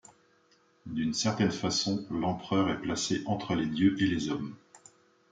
D’une certaine façon l’empereur est placé entre les dieux et les hommes.